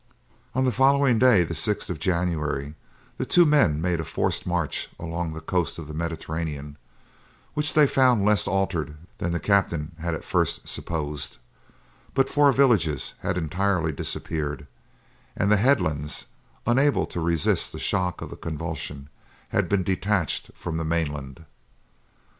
On the following day, the 6th of January, the two men made a forced march along the coast of the Mediterranean, which they found less altered than the captain had at first supposed; but four villages had entirely disappeared, and the headlands, unable to resist the shock of the convulsion, had been detached from the mainland.